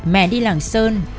mẹ đi làng sơn